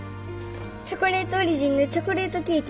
「チョコレートオリジン」のチョコレートケーキ。